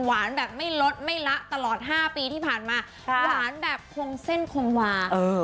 แบบไม่ลดไม่ละตลอดห้าปีที่ผ่านมาหวานแบบคงเส้นคงวาเออ